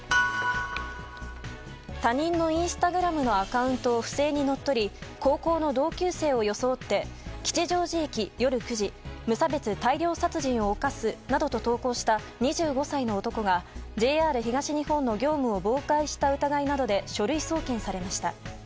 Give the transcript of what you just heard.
他人のインスタグラムのアカウントを不正に乗っ取り高校の同級生を装って「吉祥寺駅夜９時無差別大量殺人を犯す」などと投稿した２５歳の男がＪＲ東日本の業務を妨害した疑いなどで書類送検されました。